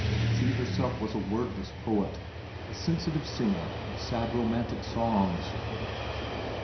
She herself was a wordless poet, a sensitive singer of sad romantic songs.